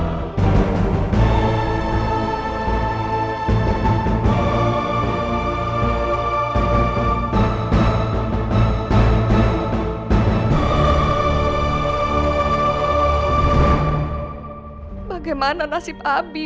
ewha paling saya pengaruh dikasih balasan ini